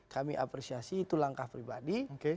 kami apresiasi itu langkah pribadi